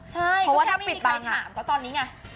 เพราะว่าถ้าปิดบังอะถ้าไม่มีใครถามก็ตอนนี้ไง